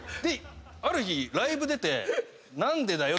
ある日ライブ出て何でだよ